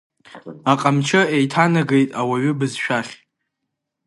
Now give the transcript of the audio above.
Аҟамчы еиҭанагеит ауаҩы бызшәахь.